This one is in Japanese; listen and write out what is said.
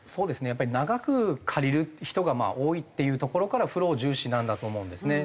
やっぱり長く借りる人が多いっていうところからフロー重視なんだと思うんですね。